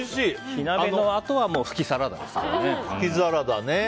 火鍋のあとは、フキサラダです。